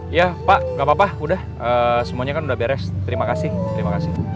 iya pak gapapa udah semuanya kan udah beres terima kasih terima kasih